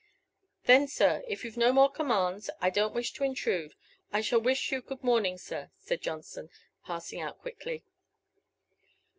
"Then, sir, if you've no more commands, I don't wish to intrude. I shall wish you good morning, sir," said Johnson, passing out quickly.